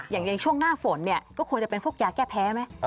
อย่างช่วงหน้าฝนเนี่ยก็ควรจะเป็นพวกยาแก้แพ้ไหม